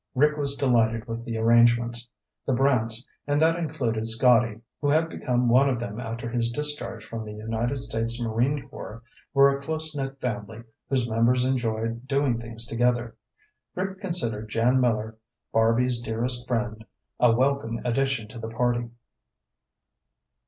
Rick was delighted with the arrangements. The Brants and that included Scotty, who had become one of them after his discharge from the United States Marine Corps were a close knit family whose members enjoyed doing things together. Rick considered Jan Miller, Barby's dearest friend, a welcome addition to the party.